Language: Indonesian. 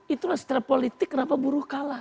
itu lah secara politik kenapa buruh kalah